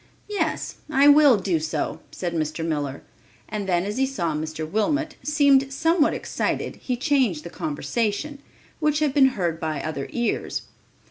"Yes, I will do so," said Mr. Miller, and then as he saw Mr. Wilmot seemed somewhat excited, he changed the conversation, which had been heard by other ears.